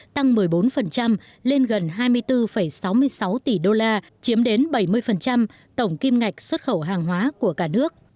tăng một mươi bốn lên gần hai mươi bốn sáu mươi sáu tỷ đô la chiếm đến bảy mươi tổng kim ngạch xuất khẩu hàng hóa của cả nước